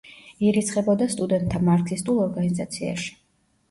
ირიცხებოდა სტუდენტთა მარქსისტულ ორგანიზაციაში.